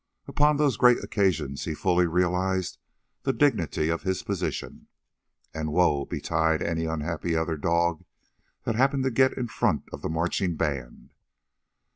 Upon those great occasions, he fully realized the dignity of his position, and woe betide any unhappy other dog that happened to get in front of the marching band.